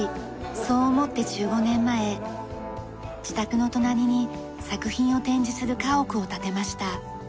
そう思って１５年前自宅の隣に作品を展示する家屋を建てました。